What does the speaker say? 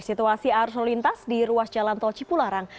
situasi arus lalu lintas di ruas jalan tol cipularang